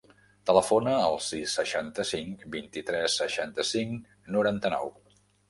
Telefona al sis, seixanta-cinc, vint-i-tres, seixanta-cinc, noranta-nou.